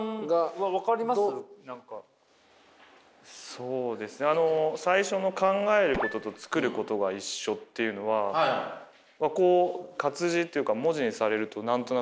そうですねあの最初の考えることと作ることが一緒っていうのはこう活字というか文字にされると何となく「ああ」ってなりますよね。